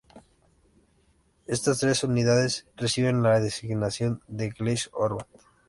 Estas tres unidades reciben la designación de Clase Hobart.